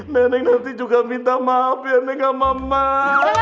nenek nanti juga minta maaf ya nenek sama emak